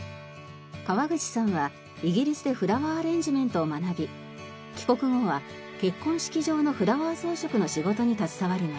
川口さんはイギリスでフラワーアレンジメントを学び帰国後は結婚式場のフラワー装飾の仕事に携わりました。